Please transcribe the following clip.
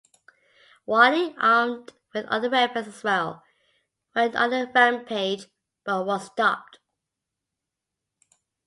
Wally, armed with other weapons as well, went on a rampage but was stopped.